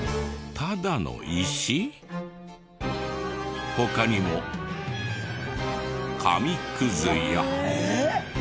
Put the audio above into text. ただの石？他にも紙くずや。